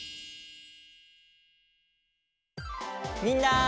みんな！